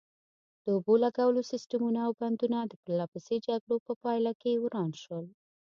د اوبو لګولو سیسټمونه او بندونه د پرلپسې جګړو په پایله کې وران شول.